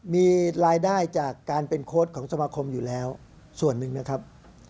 มีรายได้จากการเป็นโค้ดของสมาคมอยู่แล้วส่วนหนึ่งนะครับ